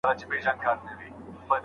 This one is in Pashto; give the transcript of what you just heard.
انا خپل تسبیح په ذکر کې کارولې.